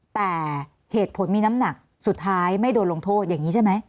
แต่เหตุผลมีน้ำหนักสุดท้ายไม่โดนลงโทษอย่างนี้ใช่ไหม